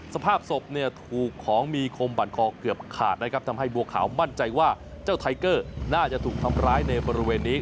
สภาพศพเนี่ยถูกของมีคมบัดคอเกือบขาดนะครับทำให้บัวขาวมั่นใจว่าเจ้าไทเกอร์น่าจะถูกทำร้ายในบริเวณนี้